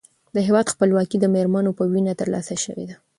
د هېواد خپلواکي د مېړنیو په وینه ترلاسه شوې ده.